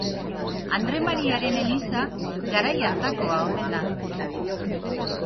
Andre Mariaren eliza garai hartakoa omen da.